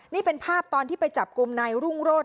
นี่เป็นภาพตอนที่ไปจับกลุ่มนายรุ่งโรธ